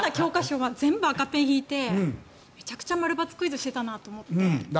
昨日読んだ教科書は赤線を引いてめちゃくちゃ○×クイズしていたなと思って。